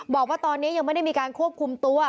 บอกว่าตอนนี้ยังไม่ได้มีการควบคุมตัว